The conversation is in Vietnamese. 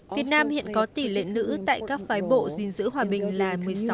việt nam hiện có tỷ lệ nữ tại các phái bộ gìn giữ hòa bình là một mươi sáu